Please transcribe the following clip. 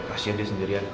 kasian dia sendirian